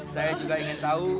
saya juga ingin tahu